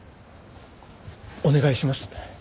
お願いします。